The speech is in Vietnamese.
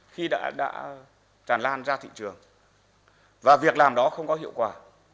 khi đã tràn lan ra thị trường và việc làm đó không có hiệu quả